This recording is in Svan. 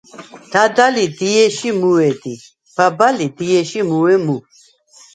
დადა ლი დიე̄შ ი მუუ̂ე̄ დი, ბაბა ლი დიე̄შ ი მუუ̂ე̄ მუ.